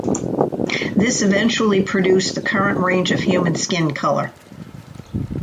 This eventually produced the current range of human skin color.